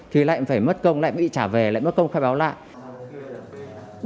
thì lại phải mất công lại bị trả về lại mất công khai báo lại